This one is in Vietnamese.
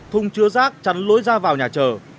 thung chứa rác chắn lối ra vào nhà chờ